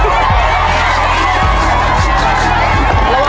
ระวังมือด้วยนะ